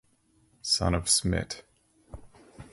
Son of Smt.